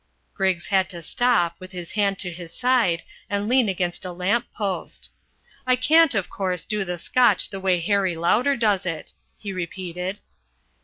'" Griggs had to stop, with his hand to his side, and lean against a lamp post. "I can't, of course, do the Scotch the way Harry Lauder does it," he repeated.